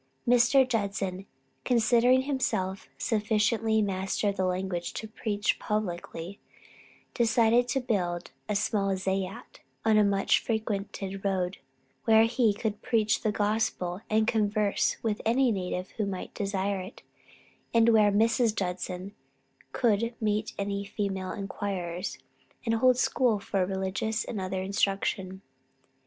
Mr. Judson, considering himself sufficiently master of the language to preach publicly, decided to build a small zayat, on a much frequented road, where he could preach the gospel, and converse with any native who might desire it, and where Mrs. Judson could meet female inquirers, and hold a school for religious and other instruction.